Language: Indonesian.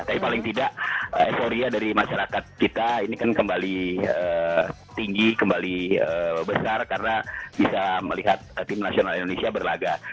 tapi paling tidak euforia dari masyarakat kita ini kan kembali tinggi kembali besar karena bisa melihat tim nasional indonesia berlaga